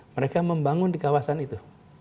mereka membangun di kawasan itu